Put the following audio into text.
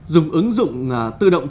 dùng ứng dụng tự động